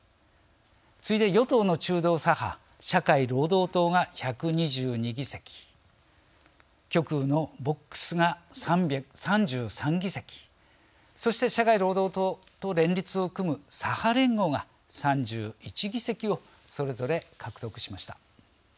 次いで与党の中道左派・社会労働党が１２２議席極右のＶＯＸが３３議席そして社会労働党と連立を組む左派連合が３１議席をそれぞれ獲得しました。